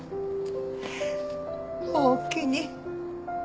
おおきに。